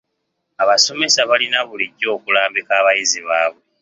Abasomesa balina bulijjo okulambika abayizi baabwe.